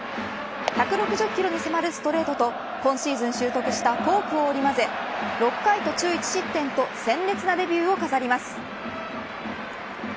１６０キロに迫るストレートと今シーズン習得したフォークを織り交ぜ６回途中１失点と鮮烈なデビューを飾ります。